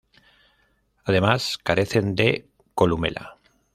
Además, carecen de columela.